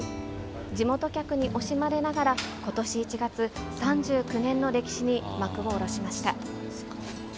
地元客に惜しまれながら、ことし１月、３９年の歴史に幕を下ろしました。